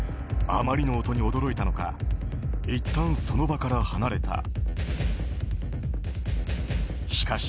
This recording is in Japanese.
あまりの音に驚いたのかいったんその場から離れた。